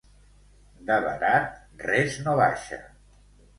De barat res no baixa.